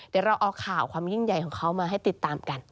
เดี๋ยวเราเอาข่าวความยิ่งใหญ่ของเขามาให้ติดตามกัน